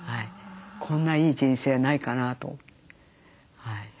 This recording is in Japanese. こんないい人生はないかなと。